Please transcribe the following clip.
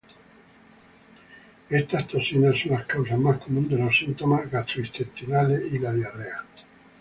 Estas toxinas son la causa más común de los síntomas gastrointestinales y la diarrea.